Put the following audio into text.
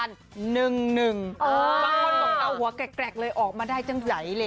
บางคนบอกเอาหัวแกรกเลยออกมาได้จังไหลเลย